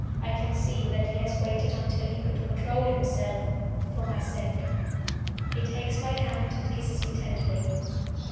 I can see that he has waited until he could control himself for my sake. He takes my hand, and kisses me tenderly.